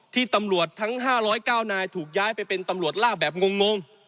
ที่ตำรวจทั้งห้าร้อยเก้านายถูกย้ายไปเป็นตำรวจลาบแบบงง